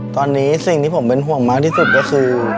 ตอนนี้สิ่งที่ผมเป็นห่วงมากที่สุดก็คือ